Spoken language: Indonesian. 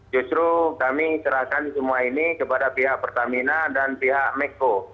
justru kami serahkan semua ini kepada pihak pertamina dan pihak meko